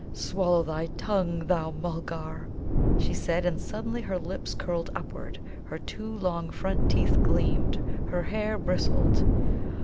"Swallow thy tongue, thou Mulgar!" she said; and suddenly her lips curled upward, her two long front teeth gleamed, her hair bristled.